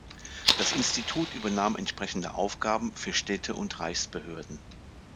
Das Institut übernahm entsprechende Aufgaben für Städte und Reichsbehörden.